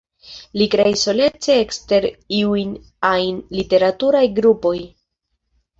Li kreis solece ekster iuj ajn literaturaj grupoj.